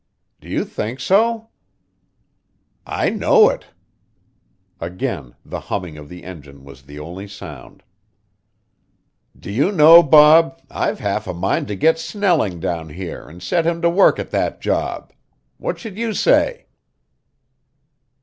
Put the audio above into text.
"Do you think so?" "I know it." Again the humming of the engine was the only sound. "Do you know, Bob, I've half a mind to get Snelling down here and set him to work at that job. What should you say?"